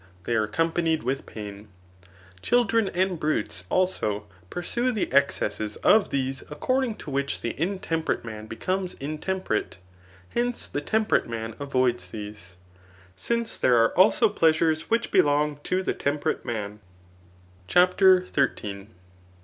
they are accompanied with pain.3 Child^ Digitized by Google CHAP* XIII. ETHICS. 2^§ ren and brutes also pursue the excesses of these accoi*d* ing to which the intemperate man becomes intemperate. Hence, the temperate man avoids these ; since there ai^ also pleasures which belong to the temperate man. CHAPTER Xin.